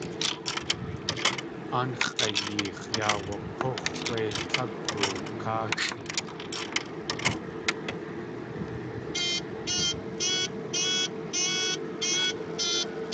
Aan x̲ʼayeex̲ yaa wak̲úx̲ wé tlagu káaxʼi.